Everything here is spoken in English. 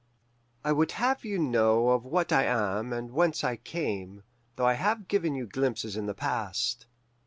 I would have you know of what I am and whence I came, though I have given you glimpses in the past.